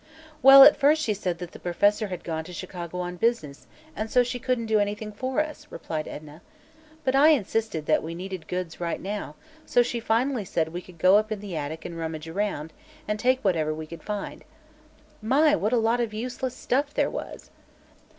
"Well, at first she said the Professor had gone to Chicago on business, and so she couldn't do anything for us," replied Edna; "but I insisted that we needed goods right now, so she finally said we could go up in the attic, and rummage around, and take whatever we could find. My, what a lot of useless stuff there was!